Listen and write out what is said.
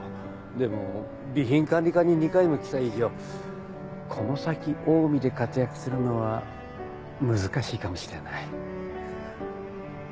でも備品管理課に２回も来た以上この先オウミで活躍するのは難しいかもしれない。